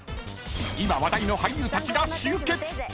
［今話題の俳優たちが集結！］